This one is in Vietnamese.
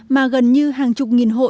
mà gần như hàng chục nghìn hộ